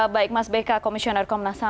baik mas bk komisioner komnas ham